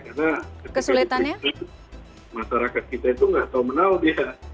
karena ketika penyidik mencari alat bukti masyarakat kita itu nggak tahu menau dia